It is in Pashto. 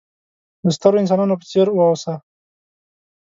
د سترو انسانانو په څېر وه اوسه!